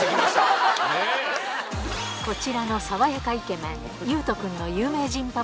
こちらの爽やかイケメン